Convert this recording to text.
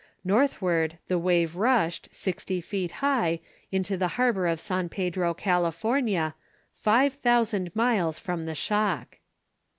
Northward, the wave rushed, sixty feet high, into the harbor of San Pedro, California, five thousand miles from the shock.